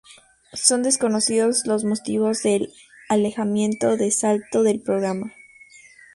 Son desconocidos los motivos del alejamiento de Salto del programa.